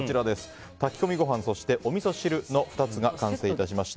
炊き込みご飯、おみそ汁の２つが完成しました。